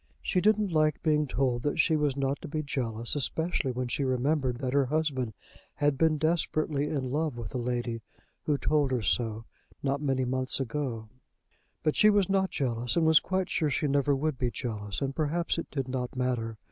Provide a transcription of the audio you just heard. She didn't like being told that she was not to be jealous, especially when she remembered that her husband had been desperately in love with the lady who told her so not many months ago. But she was not jealous, and was quite sure she never would be jealous; and, perhaps, it did not matter.